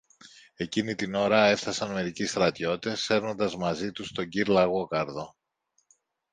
Εκείνη την ώρα έφθασαν μερικοί στρατιώτες σέρνοντας μαζί τους τον κυρ-Λαγόκαρδο.